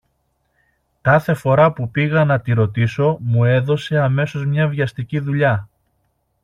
Κάθε φορά που πήγα να τη ρωτήσω μου έδωσε αμέσως μια βιαστική δουλειά.